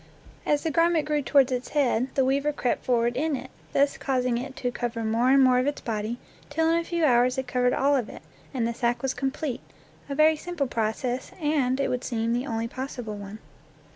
As the garment grew toward its head, the weaver crept forward in it, thus causing it to cover more and more of its body till in a few hours it covered all of it, and the sack was complete, a very simple process, and, it would seem, the only possible one.